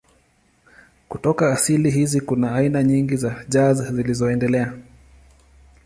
Kutoka asili hizi kuna aina nyingi za jazz zilizoendelea.